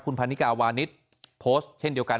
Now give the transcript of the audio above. พันนิกาวานิสโพสต์เช่นเดียวกัน